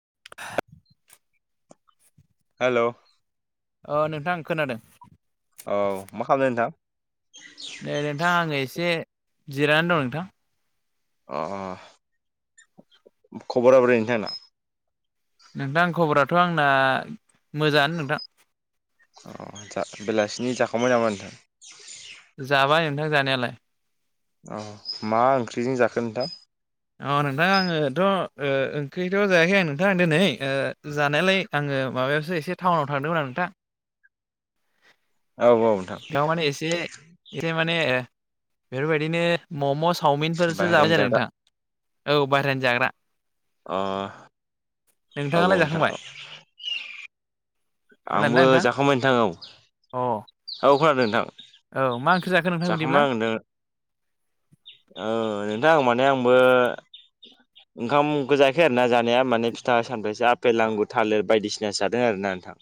[inaudible] Hello अ नोंथां आं खोनादों। औ मा खालामदों नोंथां? नै नोंथां आङो एसे जिरायनानै दं नोंथां। अ खबरा बोरै नोंथां? नोंथां खबराथ' आंना मोजाङानो नोंथां। अ जा बेलासिनि जाखांबाय नामा नोंथां? [unintelligible] जानायालाय अ मा ओंख्रिजों जाखो नोंथां? औ नोंथां आङोथ' ओ ओंख्रिथ' जायाखै आं नोंथां दिनै ओ जानायालाय आङो माबायावसो एसे टाउनाव थांदोंमोन आरो [unintelligible] औ औ नोंथां बेयाव माने एसे एसे माने बेफोरबायदिनो मम' चावमिनफोरसो जाबाय बाहेरानि जादों जाग्रा नोंथां औ बायह्रानि जाग्रा। अ औ नोंथाङालाय नोंथां जाखांबाय? औ आंबो जाखांबाय नोंथां औ। औ। औ खोनादों नोंथां। औ मा ओंख जाखांबाय आं औ नोंथां आं माने आंबो ओंखामखौ जायाखै आरोना जानाया माने फिथा सान्रसो आफेल आांगुर थालिर बायदिसिना जादों आरो ना। नोथां।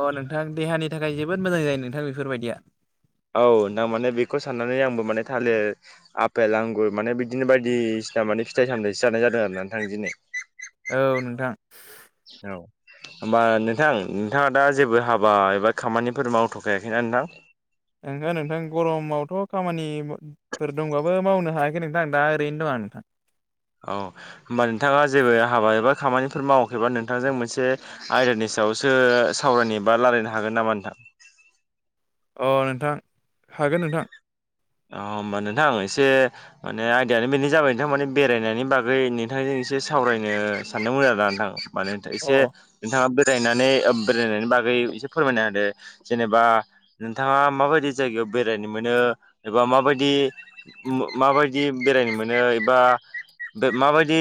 अ नोंथां देहानि थाखाय जोबोद मोजां जायो नोंथां बेफोरबायदिया। औ नाओंथां माने बेखौ साननानै आंबो माने थालिर आफेल आंगुर माने बिदिनो बायदि। सिना माने फिथाइ सामथाइसो जानाय जादों आरो ना नोंथां दिनै। औ नोंथां औ। होमबा नोंथां नोंथाङा दा जेबो हाबा एबा खामानिफोर मावथ'खायाखैना नोंथां। ओंख नोंथां गरमावथ' खामानिफोर दंबाबो मावनो हायाखै नोंथां दा ओरैनो दं आं। [unintelligible] औ होमबा नोंथाङा जेबो हाबा एबा खामानिफोर मावाखैबा नोंथांजों मोनसे आयदानि सायावसो सावरायनो बा रायलायनो हागोन नामा नोंथां? अ नोंथां हागोन नोंथां। अ होमबा नोंथां एसे माने आयदायानो बेनो जाबाय नोंथां माने बेरायनायनि बागै नोंथांजों एसे सावरायनो सानदोंमोन आरो ना नोंथां मानो अ एसे औ नोंथाङा बेरायनानै बेरायनायनि बागै एसे फोरमायना होदो जेनेबा नोंथाङा माबायदि जायगायाव बेरायनो मोनो। एबा माबायदि माबायदि बेरायनो मोनो एबा बे माबायदि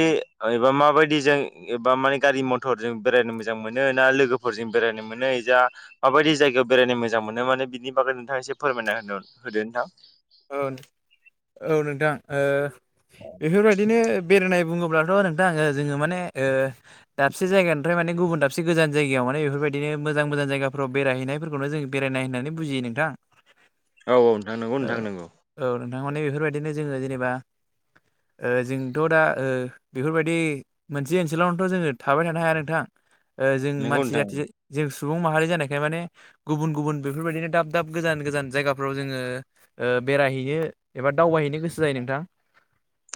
एबा माबायदि जों एबा माने गारि मथर जों बेरायनो मोजां मोनो ना। लोगोफोरजों बेरायनो मोनो जा माबायदि जायगायाव बेरायनो मोजां मोनो माने बिनि बागै नोंथां एसे फोरमायना होनो। होदो नोंथां। औ औ नोंथां ओ बेफोरबायदिनो बेरायनाय बुङोबा अब्लाथ' नोंथाङां आो मे दाबसे जायगानिफ्राय माने गुबुन दाबसे गोजान जायगायाव माने बेफोरबायदिनो मोजां मोजां जायगााव बेरायहैनायफोरखौनो जों बेरायनाय होननानै बुजियो नोंथां। औ औ नोंथां नंगौ ओ नोंथां नंगौ। औ नोंथां माने बेफोरबायदिनो जोङो जेनेबा ओ जोंथ' दा ओ बेफोरबायदि मोनसे ओनसोलावनोथ' जोङो थाबाय थानो हाया नोंथां जों नंगौ मानसि नोंथां जाथि जों सुबुं माहारि जानायखाय माने गुबुन गुबुन बेफोरबायदिनो दाब दाब गोजान गोजान जायगाफ्राव जोङो ओ बेरायहैनो एबा दावबायहैनो गोसो जायो नोंथां।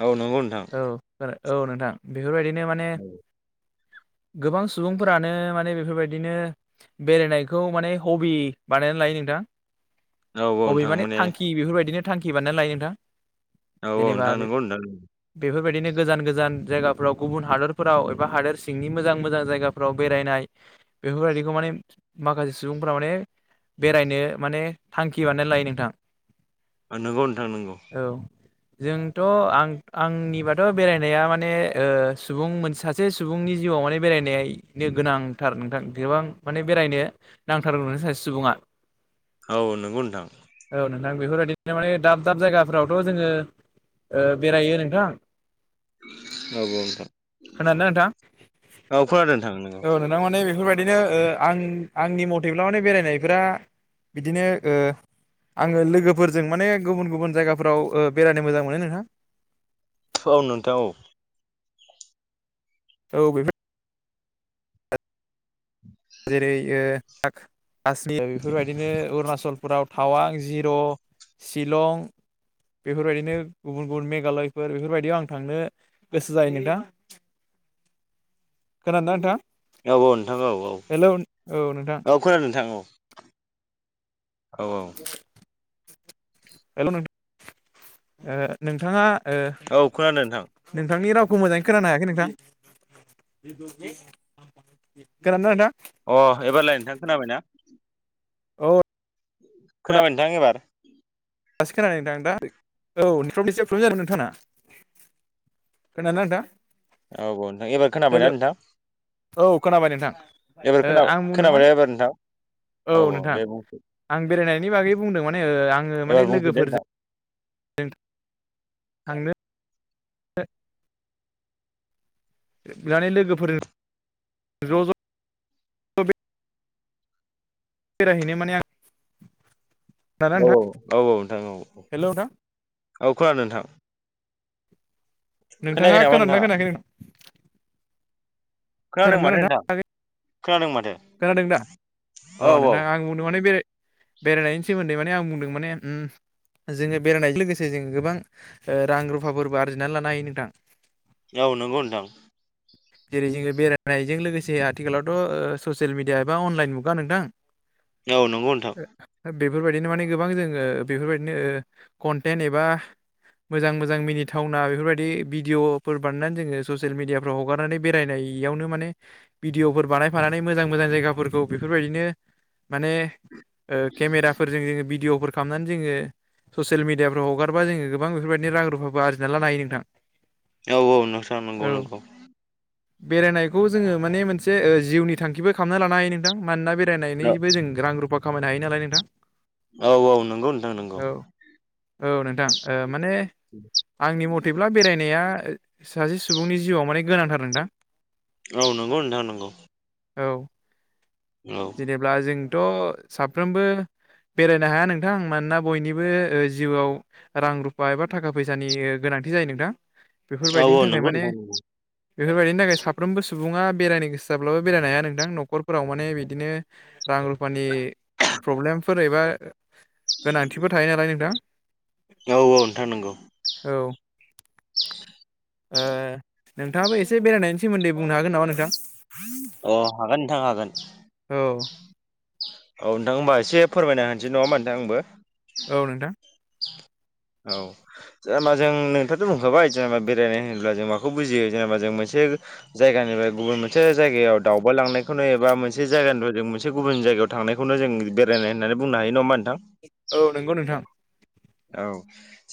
औ नंगौ नोंथां। औ औ नोंथां, बेफोरबायदिनो माने गोबां सुबुंफोरानो माने बेफोरबायदिनो बेरायनायखौ माने हबि बानाय नानै लायो नोंथां। औ औ हबि नोंथां माने मान थांखि बेफोरबायदिनो थांखि बानायनानै लायो नोंथां। औ जेनेबा नोंथां नंगौ नोंथां बेफोरबायदिनो गोजान गोजान जायगा फोराव गुबुन हादोरफोराव एबा हादोर सिंनि मोजां मोजां जायगाफ्राव बेरायनाय, बेफोरबायदिखौ माने माखासे सुबुंफोरा माने बेरायनो माने थांखि बानायनानै लायो नोंथां। नोंगौ नोंथां नोंगौ‌। औ जोंथ' आं आंनिबाथ' बेरायनाया माने ओ सुबुं मोनसे सासे सुबुंनि जिउ मान बेरायनायनो गोनांथार नोंथां गोबां माने बेरायनो नांथारगौ सासे सुबुङा। औ नोंगौ नोंथां औ नोंथां बेफोरबायदिनो माने दाब दाब जायगाफ्रावथ' जोङो बेरायो नोंथां औ औ नोंथां खोनादोंना नोंथां औ खोनादों नोंथां नोंगौ औ नोंथां माने बेफोरबायदि बिदिनो आं आंनि मथेब्ला माने बेरायनायफोरा बिदिनो ओ आङो लोगोफोरजों माने गुबुन गुबुन जायगाफोराव बेरायनो मोजां मोनो नोंथां औ नोंथां औ। औ बे जेरै ओ काशमिर बेफोरबायदिनो अरुणाचल फोराव टावां, जिर, सिलं, बेफोरबायदिनो गुबुन गुबुन मेघालयफोर बेफोरबायदियाव आं थांनो गोसो जायो नोंथां [inaudible] खोनादोंना नोंथां। औ औ नोंथां औ हेलौ औ नोंथां औ औ खोनादों नोंथां औ। औ औ। हेल' नोंथा नोंथाङा ओ औ खोनादों नोंथां नोंथांनि राव खौ मोजाङै खोनानो हायाखै नोंथां खोनादोंना नोंथां अ एबारलाय नोंथां खोनाबायना? औ। खोनाबाय नोंथां एबार दासो खोनादों नोंथां दा औ [unintelligible] जादों नोंथांना खोनादोंना नोंथां औ औ नोंथां एबार हेल' खोनाबायना नोंथां। औ खोनाबाय नोंथां एबार ओ खोना आं बुंदों खोनाबायना माने एबार नोंथां औ नोंथां आं बेरायनाय आनि बागै बुंदों माने आङो एबार माने बुंफिनदो लोगोफोरजों जों थांनो [unintelligible] माने लोगोफोर जों ज ज [unintelligible] रायहैनो माने आं खोनादोंना औ नोंथां औ औ औ नोंथां औ हेल' नोंथां औ खोनादों नोंथां खोनायाखै नोंथाङा नामा खोनादोंना नोंथाङा खोनायाखै नों खोनादों माथो नोंथां खोनादों माथो। खोनादों दा अ औ नोंथां आं बुंदों माने बे बेरायनायनि सोमोन्दै माने आं बुंदों माने उम जोङो बेरायनायजों लोगोसे जों गोबां रां रुफाफोरबो आरजिनानै लानो हायो नोंथां। औ नंगौ नोंथां जेरै जोङो बेरायनायजों लोगोसे आथिखालावथ' ससियेल मिडिया एबा अनलाइन मुगा नोंथां औ नंगौ नोंथां बेफोरबायदिनो माने गोबां जोङो बेफोरबायदिनो कन्टेन्ट एबा मोजां मोजां मिनिथावना बेफोरबायदि भिडिअफोर बानायनानै जोङो ससियेल मिडियाफ्राव हगारनानै बेरायनाय बेयावनो माने भिडिअफोर बानायफानानै मोजां मोजां जायगाफोरखौ बेफोरबायदिनो माने केमेराफोरजों जोंङो भिदिअ फोर खालामनानै जोङो ससियेल मिडियाफ्राव हगारबा जोङो गोबां बेफोरबायदिनो रां रुफाबो आरजिना लानो हायो नोंथां औ औ नोंथां नंगौ औ नंगौ बेरायनायखौ जोङो माने मोनसे जिउनि थांखिबो खालामना लानो हायो नोंथां मानोना बे फरायनायनिबो जों रां रुफा खामायनो हायो नालाय नोंथां औ औ नंगौ नोंथां नंगौ औ औ नोंथां माने आंनि मथेब्ला बेरायनाया सासे सुबुंनि जिउआव माने गोनांथार नोंथां औ नंगौ नोंथां नंगौ औ औ जेनेब्ला जोंथ' साफ्रोमबो बेरायनो हाया नोंथांं मानोना बयनिबो जिउआव रां रुफा एबा थाखा फैसानि गोनां गोनांथि जायो नोंथां औ बेफोरबायदिनि औ थाखाय नंगौ माने नोंथां नंगौ बेफोरबायदिनि थाखाय साफ्रोमबो सुबुङा बेरायनो गोसो जाब ब्लाबो बेरायनो हाया नोंथां न'खरफोराव माने बिदिनो रां रुफानि प्रब्लेमफोर एबा गोनांथिफोर थायो नालाय नोंथां औ औ नोंथां नंगौ औ नोंथाङाबो एसे बेरायनायनि सोमोन्दै बुंनो हागोन नामा नोंथां अ हागोन नोंथां हागोन औ औ नोंथां होनबा एसे फोरमायनो होनसै नङा होमबा नोंथां आंबो औ नोंथां औ जेनेबा जों नोंथांथ' बुंखाबाय जेनेबा बेरायनो होनोब्ला जों माखौ बुजियो जेनेबा जों मोनसे बेगो जायगानिफ्राय गुबुन मोनसे जायगायाव दावबायलांनायखौनो एबा मोनसे जायगानिफ्राय जों मोनसे गुबुन जायगा गायाव थांनायखौनो जों बेरायनाय होननानै बुंनो हायो नङा होनबा नों औ नंगौ नोंथां औ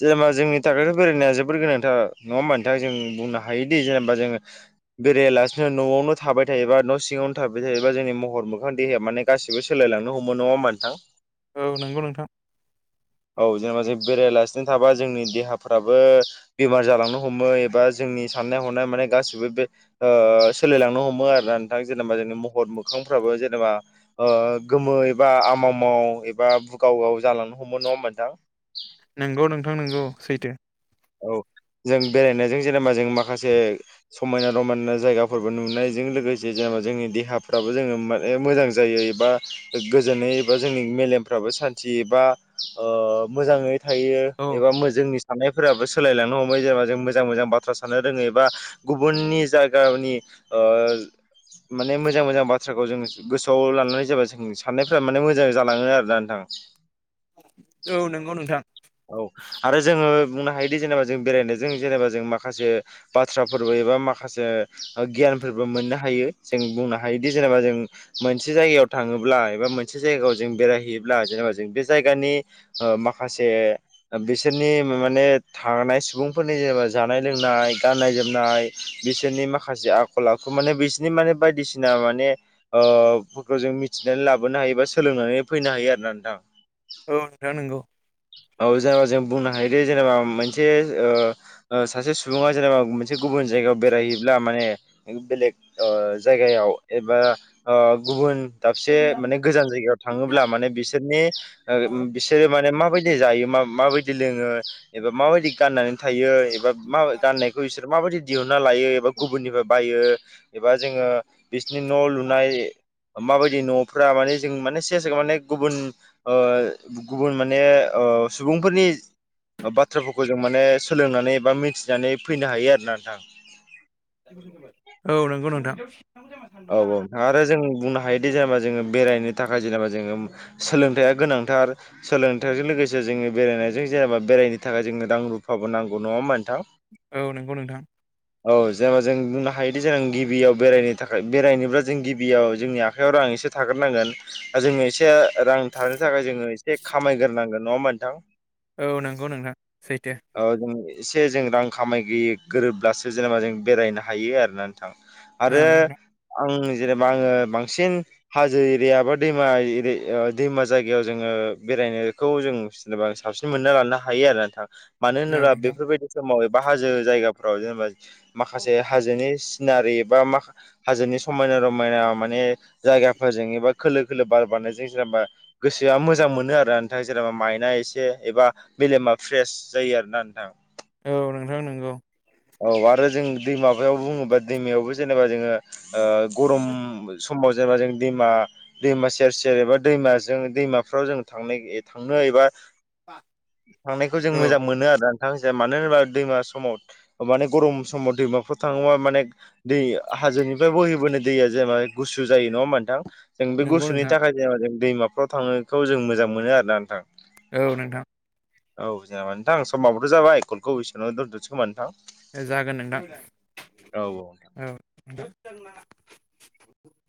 जेनेबा जोंनि थाखायथ' बेरायनाया जोबोर गोनांथार नङा होमबा नोंथां जों बुंनो हायोदि जेनेबा जोङो बेरायालासिनो न'आवनो थाबाय थायोबा न' सिङावनो थाबाय थायोबा जोंनि महर मोखां दे हाया माने गासिबो सोलायलांनो हमो नङा होमबा नोंथां औ नंगौ नोंथां औ जेनेबा जों बेरायलासिनो थाबा जोंनि देहाफ्राबो बेमार जालांनो हमो एबा जों जोंनि साननाय हनाय माने गासिबो बे सोलायलांनो हमो आरो ना नोंथां जेनेबा जोंनि महर मोखां फ्राबो जेनेबा गोमो एबा आमावमाव एबा बुगावगाव जालांनो हम हमो नङा होमबा नोंथां नोंगौ नोंथां नोंगौ सैथो औ जों बेरायनायजों जेनेबा जों माखासे समायना रमायना जायगाफोरबो नुनायजों लोगोसे जों जोंनि देहाफ्राबो जोङो माने मोजां जायो एबा गोजोनै एबा जोंनि मेलेमफ्राबो साय थि एबा मोजाङै थायो औ एबा जोंनि साननाय फोराबो सोलायलांनो हमबाय जेनेबा जों मोजां मोजां बाथ्रा साननो रोङोै एबा गुबुननि जायगानि अ माने मोजां मोजां बाथ्राखौ जों गोसोआव लानानै जाबा जों साननायफ्रा माने मोजां जालाङो आरोना नोंथां औ नंगौ नोंथां औ आरो जोङो बुंनो हायोदि जेनेबा जों बेरायनायजों जेनेबा जों माखासे बाथ्राफोरबो एबा माखासे गियान मोननो हायो जों बुंनो हायोदि जेनेबा जों मोनसे जायगायाव थाङोब्ला एबा मोनसे जायगायाव जों बेरायहैयोब्ला जेनेबा जों बे जायगानि माखासे बिसोरनि माने थानाय सुबुंफोरनि जेनेबा जानाय लोंनाय गाननाय जोमनाय बिसोरनि माखासे आखल आखु माने बिसोरनि माने बायदिसिना माने फोरखौ जों मिथिनानै लाबोनो हायो बा सोलोंनानै फैनो हायो आरो ना नोंथां। औ नोंथां नंगौ। औ जेनेबा जों बुंनो हायोदि जेनेबा मोनसे सासे सुबुङा जेनेबा एसे गुबुन जायगायाव बेरायहैब्ला माने बेलेग जायगायाव एबा गुबुन दाबसे माने गोजान जायगायाव थाङोब्ला माने बिसोरनि बिसोरो माने माबाय दि जायो मा माबायदि लोङो एबा माबायदि गाननानै थायो एबा मा गाननायखौ बिसोर माबायदि दिहुनना लायो एबा गुबुननिफ्राय बायो एबा जोङो बिसिनो न' लुनाय माबायदि न'फ्रा माने जों माने सेस माने गुबुन -गुबुन माने सुबुंफोरनि बाथ्राफोरखौ जों माने सोलोंनानै बा मिथिनानै फैनो हायो आरो ना नोंथां। औ नंगौ नोंथां। औ औ आरो जों बुंनो हायोदि जेनेबा जोङो बेरायनो थाखाय जेनेबा जोङो सोलोंथाइआ गोनांथार सोलोंथाइजों लोगोसे जोङो बेरायनायजों जेनेबा बेरायनो थाखाय जोङो रां रुफाबो नांगौ नङा होमबा नोंथां? औ नंगौ नोंथां। औ जेनेबा जों बुंनो हायोदि जेन गिबियाव बेरायनो थाखाय बेरायनोब्ला जों गिबियाव जोंनि आखाइयाव रां एसे थाग्रोनांगोन बा जोङो एसे रां थानो थाखाय जोङो एसे खामायग्रोनांगोन नङा होमबा नोंथां? औ नंगौ नोंथां सैथो। ओ जों एसे जों रां खामाय गो गोरोब्लासो जेनेबा जों बेरायनो हायो आरोना नोंथां औ आरो नोंथां आं जेनेबा आङो बांसिन हाजो एरिया बा दैमा दैमा जायगायाव जोङो बेरायनायखौ जों जेनेबा साबसिन मोनना लानो हायो आरो नोंथां। मानो औ होनोबा नोंथां बेफोरबायदि समाव बा हाजो जायगाफ्राव जेनेबा माखासे हाजोनि सिनारि बा हाजोनि समायना रमायना माने जायगाफोरजों एबा खोलो खोलो बार बारनायजों सोरबा गोसो आ मोजां मोनो आरोना नोंथां जेनेबा माइनआ एसे एबा मेलेमा फ्रेस जायो आरोना नोंथां। औ नोंथां नंगौ। औ आरो जों दै माबायाव बुङोबा दैमायावबो जेनेबा जोङो गरम सम आव जेनबा जों दैमा दैमा सेर सेर एबा दैमाजों दैमाफ्राव जों थांनो थांनो एबा थांनायखौ जों औ मोजां मोनो आरो नोंथां मानो होनोबा दैमा समाव माने गरम समाव दैमाफोराव थाङोबा माने दै हाजोनिफ्राय बोहैबोनाय दैया जेनबा गु सु जायो नङा होमबा नोंथां? जों बे नंगौ गुसुनि नोंथां थाखाय जेनेबा जों दैमाफ्राव थांनायखौ जों मोजां मोनो आरोना नोंथां। औ नोंथां। औ जेनेबा नोंथां समाबोथ' जाबाय कलखौ एसेनावनो दोनथ'नोसै नामा नोंथां? ए जागोन औ औ नोंथां औ।